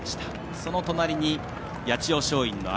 その隣に八千代松陰の綾。